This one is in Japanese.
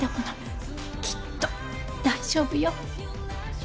きっと大丈夫よ。